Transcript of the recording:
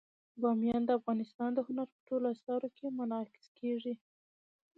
بامیان د افغانستان د هنر په ټولو اثارو کې منعکس کېږي.